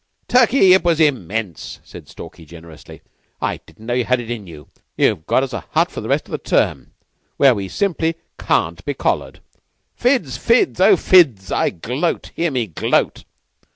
"Turkey, it was immense!" said Stalky, generously. "I didn't know you had it in you. You've got us a hut for the rest of the term, where we simply can't be collared. Fids! Fids! Oh, Fids! I gloat! Hear me gloat!"